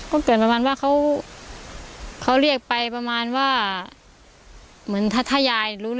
ก็เกินประมาณว่าเขาเขาเรียกไปประมาณว่า